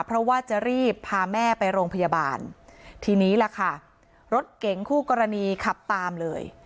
เพราะว่าจะรีบพาแม่ไปโรงพยาบาลทีนี้ล่ะค่ะรถเก๋งคู่กรณีขับตามเลย